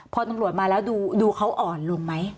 พอตำรวจมาแล้วดูเขาอ่อนลงไหม